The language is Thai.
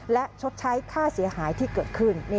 และชดใช้ค่าเสียหายที่เกิดขึ้น